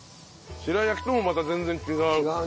白焼きともまた全然違う。